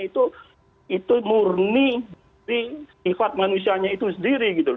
itu murni dari sifat manusianya itu sendiri gitu